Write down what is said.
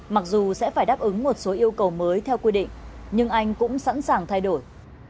mặc dù sẽ phải đáp ứng một số yêu cầu mới theo quy định nhưng anh cũng sẵn sàng thay đổi